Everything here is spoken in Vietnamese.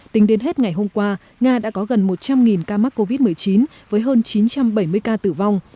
tính đến hết ngày hôm qua nga đã có gần một trăm linh ca mắc covid một mươi chín với hơn chín trăm bảy mươi ca tử vong